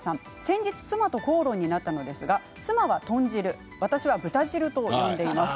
先日、妻と口論になったのですが妻は豚汁私は豚汁と呼んでいます。